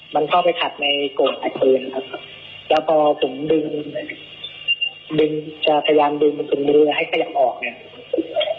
มันเข้าไปขัดในโกรธขัดปืนครับแล้วพอผมดึงดึงจะพยายามดึงมันถึงมือให้ขยับออกเนี่ย